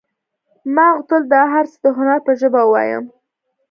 ما غوښتل دا هر څه د هنر په ژبه ووایم